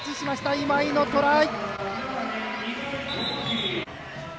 今井のトライ。